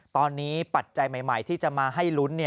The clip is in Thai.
ตอนนี้ปัจจัยใหม่ที่จะมาให้ลุ้น